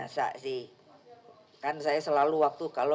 siapa pak dl